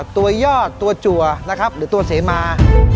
ตัวยอดตัวจั่วหรือตัวเสมา